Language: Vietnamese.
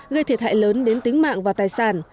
gây thiệt hại lớn đến tính mạng và tài sản